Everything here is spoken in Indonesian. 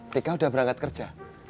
tika udah berangkat kerja